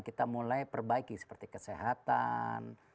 kita mulai perbaiki seperti kesehatan